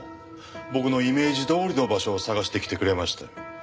僕のイメージどおりの場所を探してきてくれましたよ。